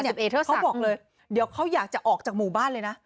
เขาบอกเลยเดี๋ยวเขาอยากจะออกจากหมู่บ้านเลยนะ